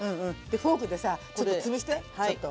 フォークでさちょっとつぶしてちょっと。